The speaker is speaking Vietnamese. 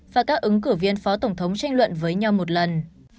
và các ứng cử viên phó tổng thống tranh luận với nhau một lần